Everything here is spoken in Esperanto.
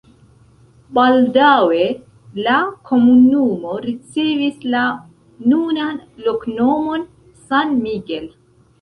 Baldaŭe la komunumo ricevis la nunan loknomon San Miguel.